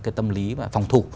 cái tâm lý và phòng thủ